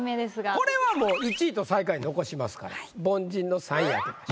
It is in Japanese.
これはもう１位と最下位残しますから凡人の３位開けましょう。